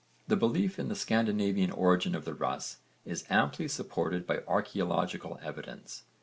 The belief in the Scandinavian origin of the Russ is amply supported by archaeological evidence.